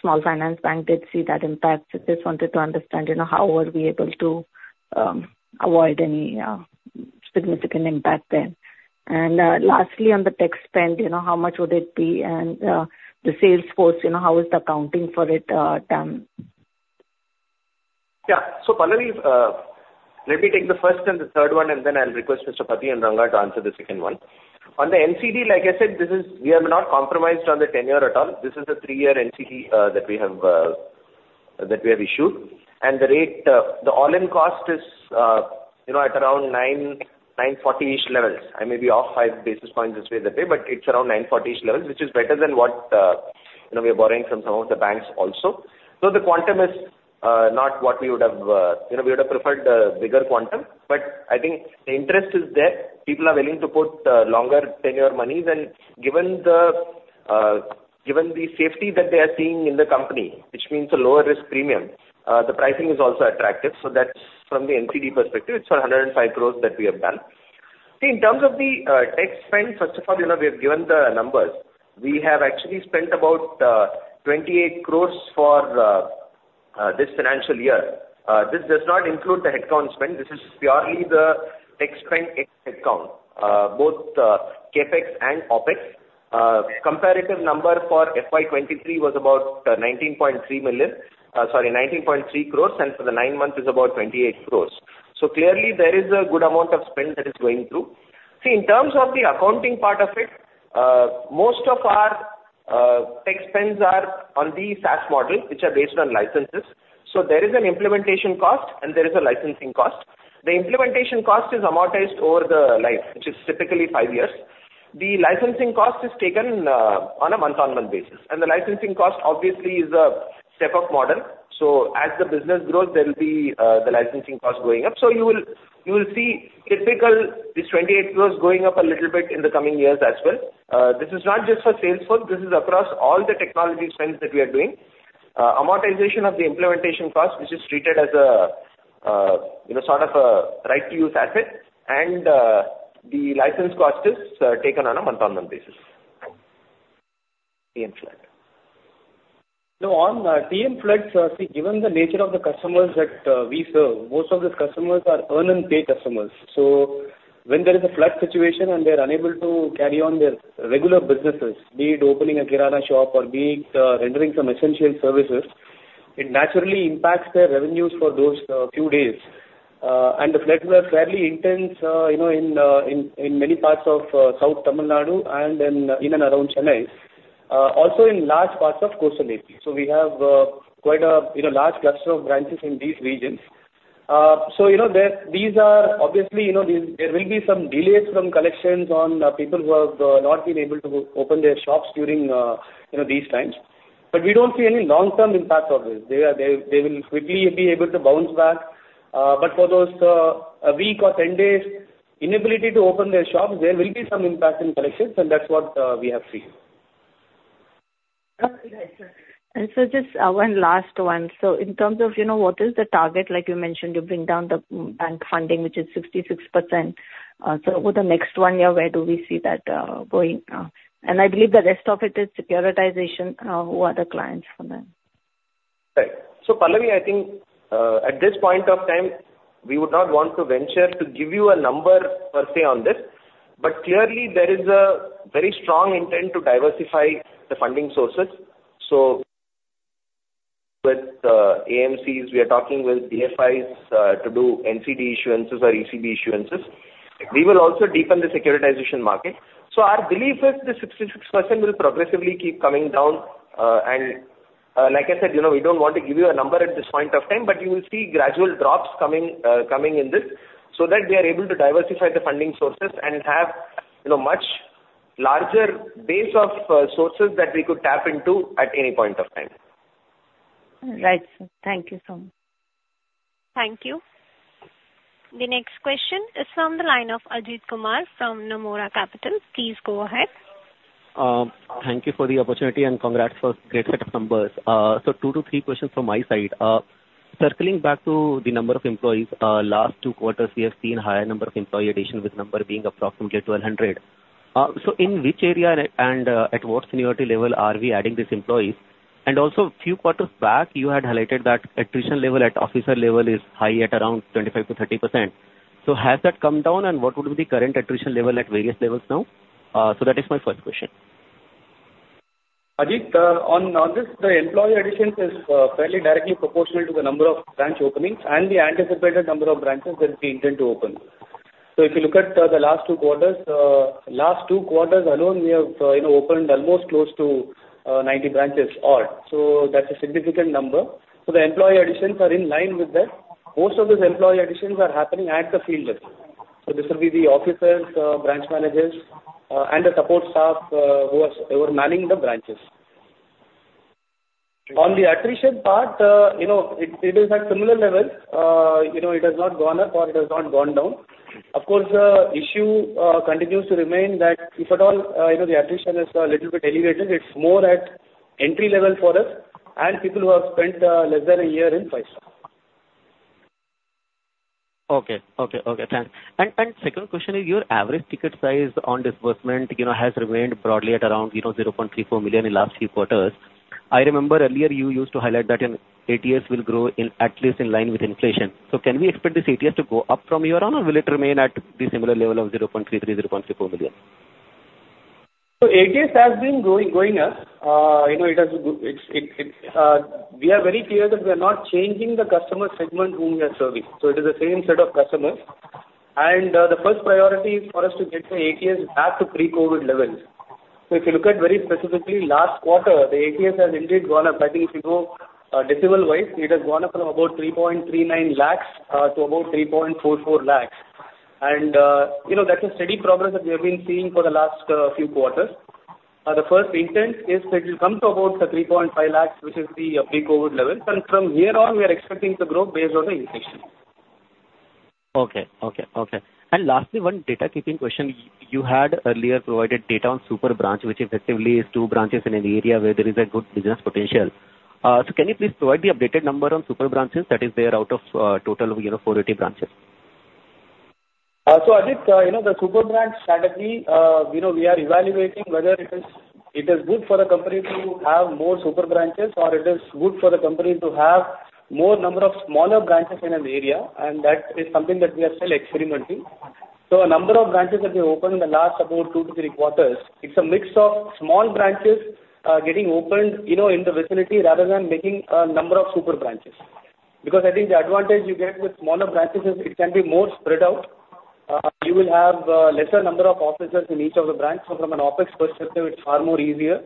small finance bank did see that impact. So just wanted to understand, you know, how were we able to avoid any significant impact there. And lastly, on the tech spend, you know, how much would it be? And the Salesforce, you know, how is the accounting for it done? Yeah. So, Pallavi, let me take the first and the third one, and then I'll request Mr. Pathy and Ranga to answer the second one. On the NCD, like I said, this is. We have not compromised on the tenure at all. This is a three-year NCD that we have issued. And the rate, the all-in cost is, you know, at around 9.94-ish levels. I may be off 5 basis points this way, that way, but it's around 9.94-ish levels, which is better than what, you know, we are borrowing from some of the banks also. So the quantum is not what we would have, you know, we would have preferred a bigger quantum, but I think the interest is there. People are willing to put longer tenure monies, and given the safety that they are seeing in the company, which means a lower risk premium, the pricing is also attractive. So that's from the NCD perspective. It's for 105 crores that we have done. See, in terms of the tech spend, first of all, you know, we have given the numbers. We have actually spent about 28 crores for this financial year. This does not include the headcount spend. This is purely the tech spend headcount, both CapEx and OpEx. Comparative number for FY 2023 was about 19.3 million, sorry, 19.3 crores, and for the nine months is about 28 crores. So clearly there is a good amount of spend that is going through. See, in terms of the accounting part of it, most of our tech spends are on the SaaS model, which are based on licenses. So there is an implementation cost and there is a licensing cost. The implementation cost is amortized over the life, which is typically five years. The licensing cost is taken on a month-on-month basis, and the licensing cost obviously is a step-up model. So as the business grows, there will be the licensing cost going up. So you will, you will see typical, this 28 crore going up a little bit in the coming years as well. This is not just for Salesforce, this is across all the technology spends that we are doing. Amortization of the implementation cost, which is treated as a, you know, sort of a right to use asset, and the license cost is taken on a month-on-month basis. TN flood. No, on TN floods, see, given the nature of the customers that we serve, most of the customers are earn and pay customers. So when there is a flood situation and they're unable to carry on their regular businesses, be it opening a kirana shop or be it rendering some essential services, it naturally impacts their revenues for those few days. And the floods were fairly intense, you know, in many parts of South Tamil Nadu and in and around Chennai, also in large parts of Coastal Area. So we have quite a, you know, large cluster of branches in these regions. So, you know, there, these are obviously, you know, there, there will be some delays from collections on people who have not been able to open their shops during, you know, these times. But we don't see any long-term impact of this. They are, they, they will quickly be able to bounce back. But for those, a week or 10 days, inability to open their shops, there will be some impact in collections, and that's what we have seen. Okay, great. And so just, one last one. So in terms of, you know, what is the target? Like you mentioned, you bring down the bank funding, which is 66%. So over the next one year, where do we see that going? And I believe the rest of it is securitization. Who are the clients for that? Right. So Pallavi, I think, at this point of time, we would not want to venture to give you a number per se on this, but clearly there is a very strong intent to diversify the funding sources. So with AMCs, we are talking with DFIs to do NCD issuances or ECB issuances. We will also deepen the securitization market. So our belief is this 66% will progressively keep coming down. And, like I said, you know, we don't want to give you a number at this point of time, but you will see gradual drops coming, coming in this so that we are able to diversify the funding sources and have, you know, much larger base of sources that we could tap into at any point of time. Right, sir. Thank you so much. Thank you. The next question is from the line of Ajit Kumar from Nomura Capital. Please go ahead. Thank you for the opportunity, and congrats for great set of numbers. So two to three questions from my side. Circling back to the number of employees, last two quarters, we have seen higher number of employee addition, with number being approximately 1,200. So in which area and, at what seniority level are we adding these employees? And also, a few quarters back, you had highlighted that attrition level at officer level is high at around 25%-30%. So has that come down? And what would be the current attrition level at various levels now? So that is my first question. Ajit, on this, the employee additions is fairly directly proportional to the number of branch openings and the anticipated number of branches that we intend to open. So if you look at the last two quarters, last two quarters alone, we have, you know, opened almost close to 90 branches odd, so that's a significant number. So the employee additions are in line with that. Most of those employee additions are happening at the field level. So this will be the officers, branch managers, and the support staff who are manning the branches. On the attrition part, you know, it is at similar level. You know, it has not gone up, or it has not gone down. Of course, the issue continues to remain that if at all, you know, the attrition is a little bit elevated, it's more at entry level for us and people who have spent less than a year in Five Star. Okay. Okay, okay. Thanks. And, and second question is, your average ticket size on disbursement, you know, has remained broadly at around, you know, 0.34 million in last few quarters. I remember earlier you used to highlight that in ATS will grow in at least in line with inflation. So can we expect this ATS to go up from here on, or will it remain at the similar level of 0.33 million, 0.34 million? So ATS has been growing, going up. You know, we are very clear that we are not changing the customer segment whom we are serving, so it is the same set of customers. The first priority is for us to get the ATS back to pre-COVID levels. So if you look at very specifically, last quarter, the ATS has indeed gone up. I think if you go decimal-wise, it has gone up from about 3.39 lakhs to about 3.44 lakhs. You know, that's a steady progress that we have been seeing for the last few quarters. The first intent is that it will come to about 3.5 lakhs, which is the pre-COVID level. From here on, we are expecting to grow based on the inflation. Okay. Okay, okay. And lastly, one data keeping question. You had earlier provided data on super branch, which effectively is two branches in an area where there is a good business potential. So can you please provide the updated number on super branches that is there out of, you know, total 480 branches? So Ajit, you know, the super branch strategy, you know, we are evaluating whether it is, it is good for the company to have more super branches, or it is good for the company to have more number of smaller branches in an area, and that is something that we are still experimenting. So a number of branches that we opened in the last about two to three quarters, it's a mix of small branches getting opened, you know, in the vicinity rather than making a number of super branches. Because I think the advantage you get with smaller branches is it can be more spread out. You will have lesser number of officers in each of the branches, so from an OpEx perspective, it's far more easier.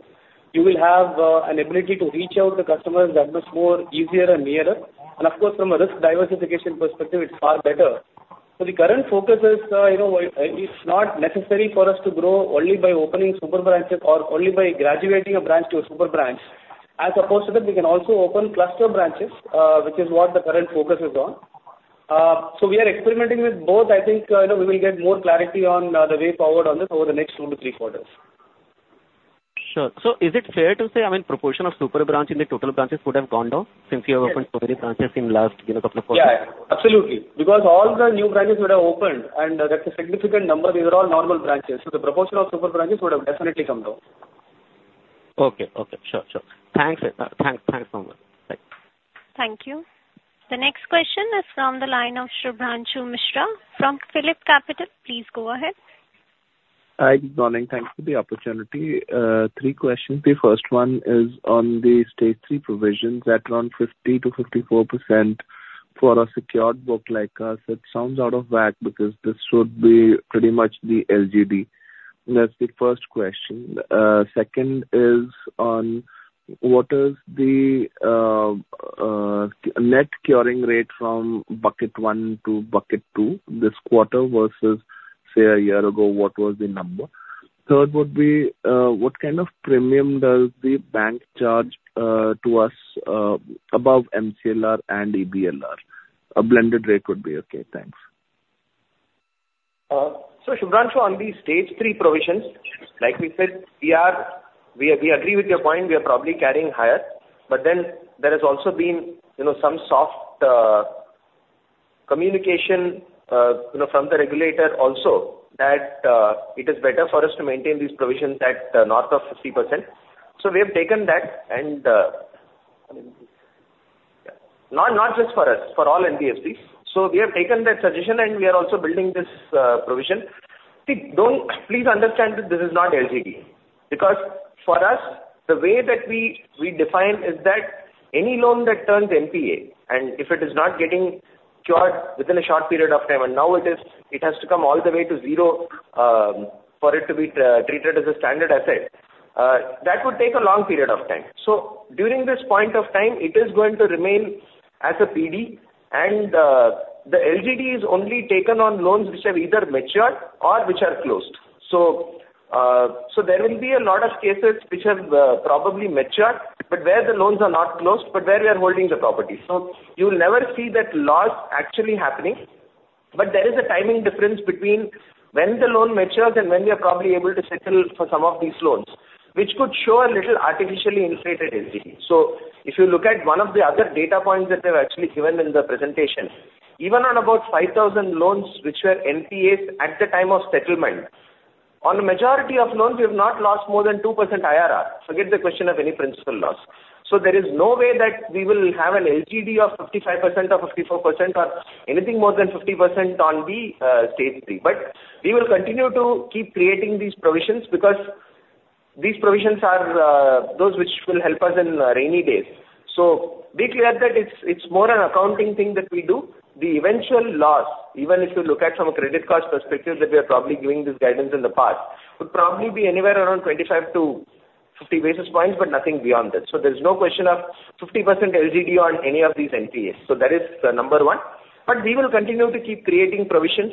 You will have an ability to reach out to customers that much more easier and nearer. Of course, from a risk diversification perspective, it's far better. The current focus is, you know, it's not necessary for us to grow only by opening super branches or only by graduating a branch to a super branch. As opposed to that, we can also open cluster branches, which is what the current focus is on. So we are experimenting with both. I think, you know, we will get more clarity on the way forward on this over the next two to three quarters. Sure. So is it fair to say, I mean, proportion of super branch in the total branches would have gone down since you have opened so many branches in last, you know, couple of quarters? Yeah, yeah, absolutely. Because all the new branches would have opened, and that's a significant number. These are all normal branches, so the proportion of super branches would have definitely come down. Okay, okay. Sure, sure. Thanks, thanks so much. Bye. Thank you. The next question is from the line of Shubhanshu Mishra from PhillipCapital. Please go ahead. Hi, good morning. Thanks for the opportunity. Three questions. The first one is on the Stage 3 provisions at around 50%-54% for a secured book like us, it sounds out of whack, because this should be pretty much the LGD. That's the first question. Second is on what is the net curing rate from bucket 1 to bucket 2 this quarter versus, say, a year ago, what was the number? Third would be, what kind of premium does the bank charge to us above MCLR and EBLR? A blended rate would be okay. Thanks. So Shubhanshu, on the Stage 3 provisions, like we said, we are... We agree with your point. We are probably carrying higher, but then there has also been, you know, some soft communication, you know, from the regulator also, that it is better for us to maintain these provisions at North of 50%. So we have taken that and not just for us, for all NBFCs. So we have taken that suggestion, and we are also building this provision. See, don't... Please understand that this is not LGD, because for us, the way that we, we define is that any loan that turns NPA, and if it is not getting cured within a short period of time, and now it is, it has to come all the way to zero, for it to be, treated as a standard asset, that would take a long period of time. So during this point of time, it is going to remain as a PD, and, the LGD is only taken on loans which have either matured or which are closed. So, so there will be a lot of cases which have, probably matured, but where the loans are not closed, but where we are holding the property. So you'll never see that loss actually happening. But there is a timing difference between when the loan matures and when we are probably able to settle for some of these loans, which could show a little artificially inflated LGD. So if you look at one of the other data points that I've actually given in the presentation, even on about 5,000 loans, which were NPAs at the time of settlement. On the majority of loans, we have not lost more than 2% IRR. Forget the question of any principal loss. So there is no way that we will have an LGD of 55% or 54% or anything more than 50% on the Stage 3. But we will continue to keep creating these provisions because these provisions are those which will help us in rainy days. So be clear that it's, it's more an accounting thing that we do. The eventual loss, even if you look from a credit cost perspective, that we are probably giving this guidance in the past, would probably be anywhere around 25-50 basis points, but nothing beyond that. So there's no question of 50% LGD on any of these NPAs. So that is the number one. But we will continue to keep creating provisions.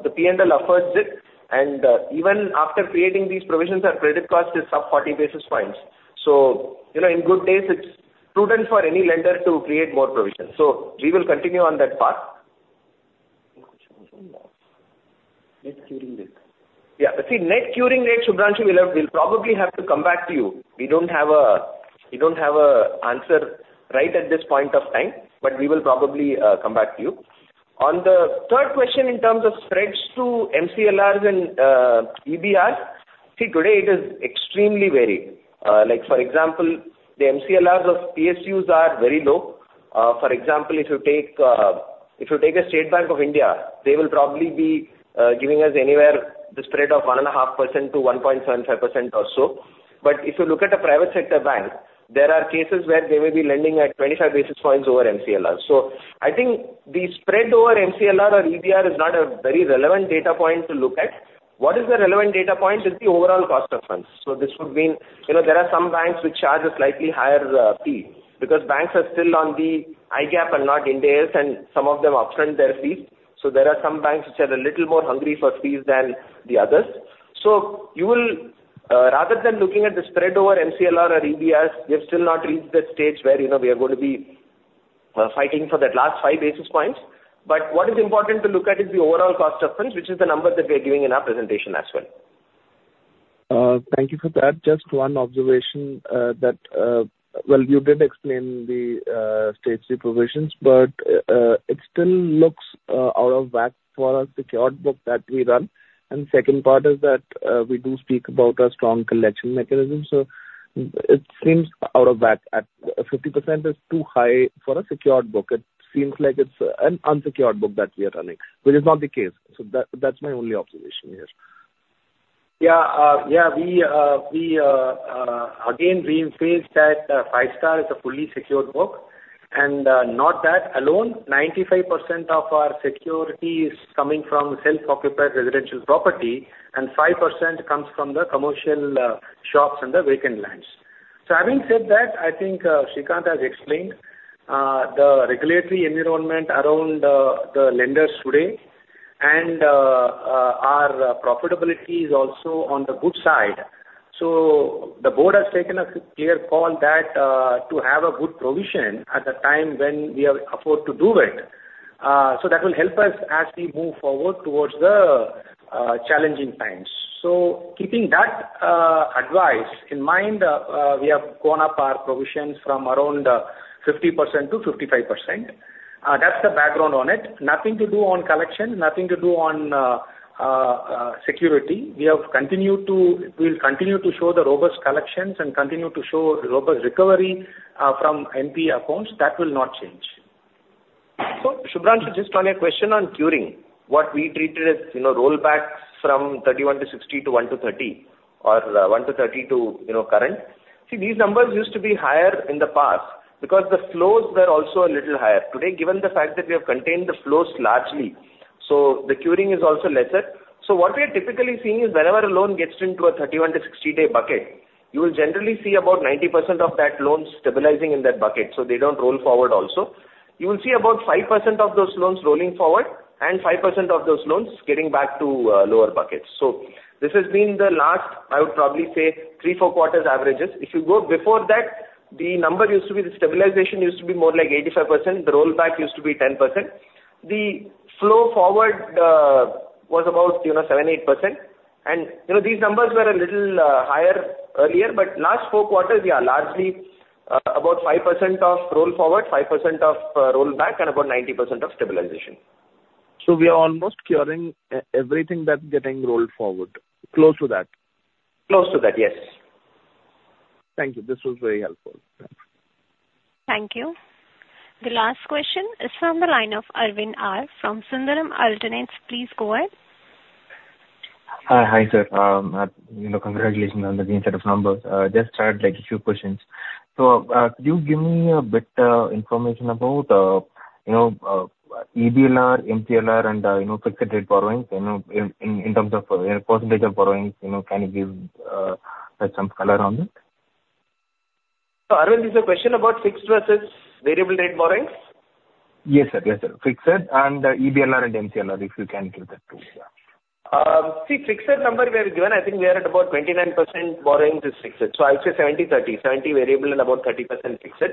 The P&L affords it, and, even after creating these provisions, our credit cost is sub 40 basis points. So, you know, in good days, it's prudent for any lender to create more provisions. So we will continue on that path. Net curing rate. Yeah. See, net curing rate, Shubhanshu, we'll have- we'll probably have to come back to you. We don't have a, we don't have a answer right at this point of time, but we will probably come back to you. On the third question in terms of spreads to MCLRs and EBR, see, today it is extremely varied. Like for example, the MCLRs of PSUs are very low. For example, if you take a State Bank of India, they will probably be giving us anywhere the spread of 1.5%-1.75% or so. But if you look at a private sector bank, there are cases where they may be lending at 25 basis points over MCLR. So I think the spread over MCLR or EBR is not a very relevant data point to look at. What is the relevant data point is the overall cost of funds. So this would mean, you know, there are some banks which charge a slightly higher fee, because banks are still on the IGAAP and not Ind AS, and some of them upfront their fees. So there are some banks which are a little more hungry for fees than the others. So you will rather than looking at the spread over MCLR or EBRs, we have still not reached the stage where, you know, we are going to be fighting for that last five basis points. But what is important to look at is the overall cost of funds, which is the number that we are giving in our presentation as well. Thank you for that. Just one observation, that, well, you did explain the Stage 3 provisions, but, it still looks out of whack for a secured book that we run. And second part is that, we do speak about a strong collection mechanism, so it seems out of whack. At 50% is too high for a secured book. It seems like it's an unsecured book that we are running, which is not the case. So that, that's my only observation here. Yeah. Yeah, we, we, again, reemphasize that, Five Star is a fully secured book, and, not that alone, 95% of our security is coming from self-occupied residential property, and 5% comes from the commercial, shops and the vacant lands. So having said that, I think, Srikanth has explained, the regulatory environment around, the lenders today, and, our profitability is also on the good side. So the board has taken a clear call that, to have a good provision at the time when we are afford to do it, so that will help us as we move forward towards the, challenging times. So keeping that, advice in mind, we have gone up our provisions from around, 50% to 55%. That's the background on it. Nothing to do on collection, nothing to do on security. We have continued to... We'll continue to show the robust collections and continue to show robust recovery from NPA accounts. That will not change. So, Shubhanshu, just on your question on curing, what we treated as, you know, rollbacks from 31 to 60 to 1 to 30 or 1 to 30 to, you know, current. See, these numbers used to be higher in the past because the flows were also a little higher. Today, given the fact that we have contained the flows largely, so the curing is also lesser. So what we are typically seeing is whenever a loan gets into a 31 to 60-day bucket, you will generally see about 90% of that loan stabilizing in that bucket, so they don't roll forward also. You will see about 5% of those loans rolling forward and 5% of those loans getting back to lower buckets. So this has been the last, I would probably say, three to four quarters averages. If you go before that, the number used to be, the stabilization used to be more like 85%. The rollback used to be 10%. The flow forward was about, you know, 7%-8%. And you know, these numbers were a little higher earlier, but last four quarters, yeah, largely about 5% of roll forward, 5% of roll back, and about 90% of stabilization. So we are almost curing everything that's getting rolled forward, close to that? Close to that, yes. Thank you. This was very helpful. Thank you. The last question is from the line of Aravind R from Sundaram Alternates. Please go ahead. Hi. Hi, sir. You know, congratulations on the set of numbers. Just start, like, a few questions. Could you give me a bit information about, you know, EBLR, MCLR, and, you know, fixed rate borrowings, you know, in, in, in terms of, percentage of borrowings, you know, can you give, some color on it? So, Aravind, is the question about fixed versus variable rate borrowings? Yes, sir. Yes, sir. Fixed and EBLR and MCLR, if you can give that too, yeah. See, fixed number we have given, I think we are at about 29% borrowings is fixed. So I would say 70/30, 70 variable and about 30% fixed.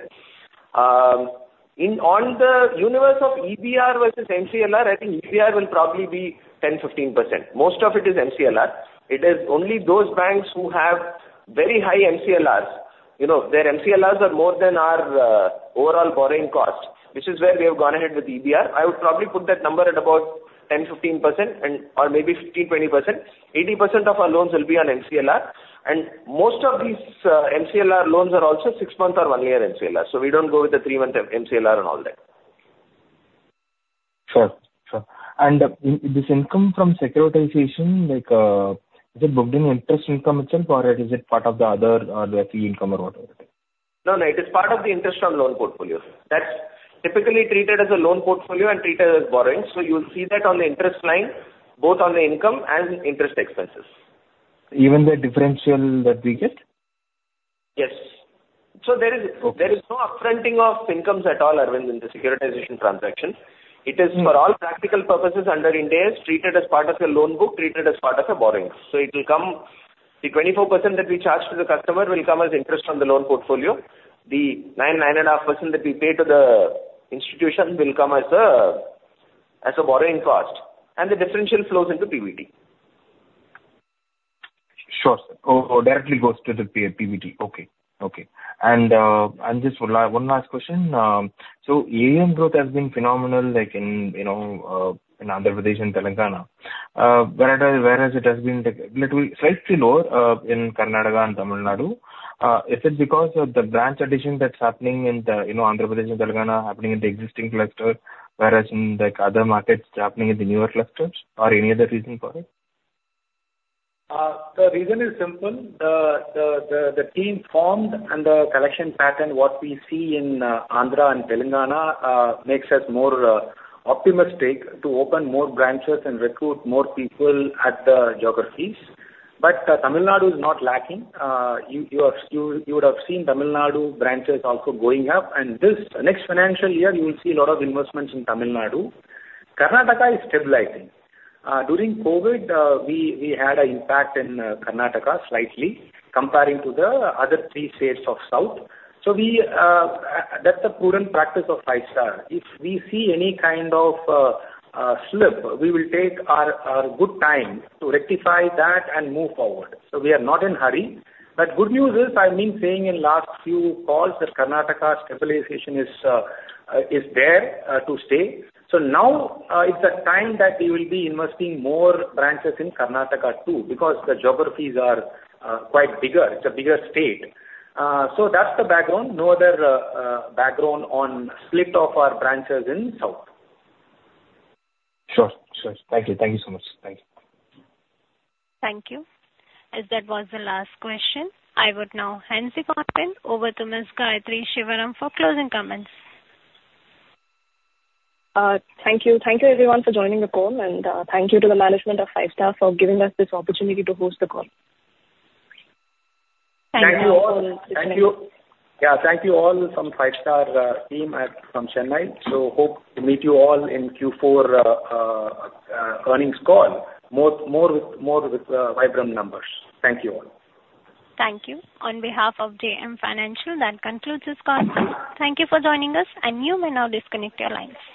In on the universe of EBR versus MCLR, I think EBR will probably be 10%-15%. Most of it is MCLR. It is only those banks who have very high MCLRs you know, their MCLRs are more than our overall borrowing cost, which is where we have gone ahead with EBR. I would probably put that number at about 10%-15% and, or maybe 15%-20%. 80% of our loans will be on MCLR, and most of these MCLR loans are also six-month or one-year MCLR. So we don't go with the three-month MCLR and all that. Sure. Sure. And, this income from securitization, like, is it booked in interest income itself, or is it part of the other, the fee income or whatever it is? No, no, it is part of the interest on loan portfolio. That's typically treated as a loan portfolio and treated as borrowing. So you'll see that on the interest line, both on the income and interest expenses. Even the differential that we get? Yes. So there is, there is no up-fronting of incomes at all, Aravind, in the securitization transaction. It is for all practical purposes under Ind AS, treated as part of a loan book, treated as part of a borrowing. So it will come. The 24% that we charge to the customer will come as interest on the loan portfolio. The 9%-9.5% that we pay to the institution will come as a borrowing cost, and the differential flows into PBT. Sure, sir. Oh, directly goes to the PBT. Okay. Okay. And just one last question. So AUM growth has been phenomenal, like, in you know in Andhra Pradesh and Telangana, whereas it has been, like, slightly lower in Karnataka and Tamil Nadu. Is it because of the branch addition that's happening in the you know Andhra Pradesh and Telangana happening in the existing clusters, whereas in like other markets happening in the newer clusters? Or any other reason for it? The reason is simple. The team formed and the collection pattern, what we see in Andhra and Telangana, makes us more optimistic to open more branches and recruit more people at the geographies. But Tamil Nadu is not lacking. You would have seen Tamil Nadu branches also going up, and this next financial year, you will see a lot of investments in Tamil Nadu. Karnataka is stabilizing. During COVID, we had an impact in Karnataka, slightly, comparing to the other three states of South. So that's a prudent practice of Five Star. If we see any kind of slip, we will take our good time to rectify that and move forward. So we are not in hurry. But good news is, I've been saying in last few calls, that Karnataka stabilization is there to stay. So now, it's the time that we will be investing more branches in Karnataka too, because the geographies are quite bigger. It's a bigger state. So that's the background. No other background on split of our branches in South. Sure. Sure. Thank you. Thank you so much. Thank you. Thank you. As that was the last question, I would now hand the conference over to Ms. Gayathri Shivaram for closing comments. Thank you. Thank you, everyone, for joining the call, and thank you to the management of Five Star for giving us this opportunity to host the call. Thank you all- Thank you. Yeah, thank you all from Five Star team at from Chennai. So hope to meet you all in Q4 earnings call. More with vibrant numbers. Thank you all. Thank you. On behalf of JM Financial, that concludes this conference. Thank you for joining us, and you may now disconnect your lines.